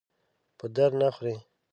په درد نه خوري.